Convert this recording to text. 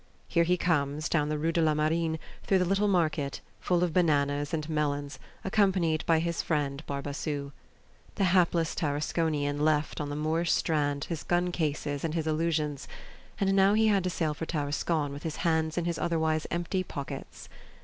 Here he comes down the Rue de la Marine through the little market, full of bananas and melons, accompanied by his friend Barbassou. The hapless Tarasconian left on the Moorish strand his gun cases and his illusions, and now he had to sail for Tarascon with his hands in his otherwise empty pockets.